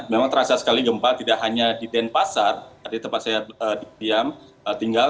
memang terasa sekali gempa tidak hanya di denpasar tadi tempat saya didiam tinggal